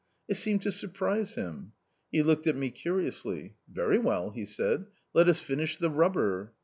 It seemed to surprise him. He looked at me curiously. " Very well," he said, " let us finish the rubber."